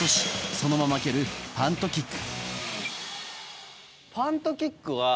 そのまま蹴るパントキック。